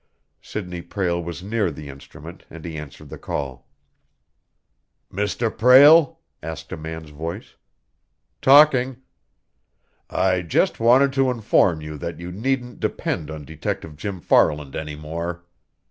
Sidney Prale was near the instrument, and he answered the call. "Mr. Prale?" asked a man's voice. "Talking." "I just wanted to inform you that you needn't depend on Detective Jim Farland any more.